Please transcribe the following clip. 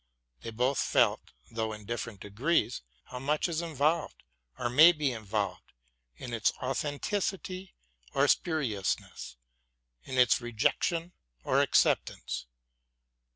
They both felt, though in different degrees, how much is involved, or may be involved, in its authenticity or spuriousness, in its rejection or acceptance.